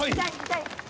痛い！